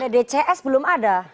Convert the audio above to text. ddcs belum ada